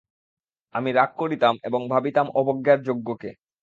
আমি রাগ করিতাম এমং ভাবিতাম অবজ্ঞার যোগ্য কে।